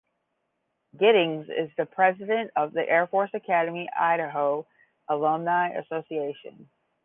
Giddings is the president of Air Force Academy Idaho Alumni Association.